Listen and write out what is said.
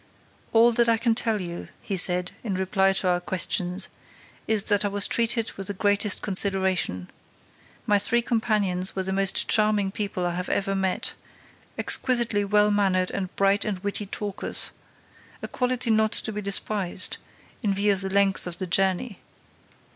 "All that I can tell you," he said, in reply to our questions, "is that I was treated with the greatest consideration. My three companions were the most charming people I have ever met, exquisitely well mannered and bright and witty talkers: a quality not to be despised, in view of the length of the journey."